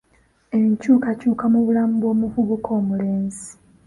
Enkyukakyuka mu bulamu bw'omuvubuka omulenzi.